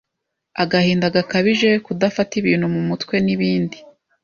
agahinda gakabije, kudafata ibintu mu mutwe n’ibindi.